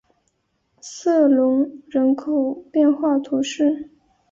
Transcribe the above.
瑟隆人口变化图示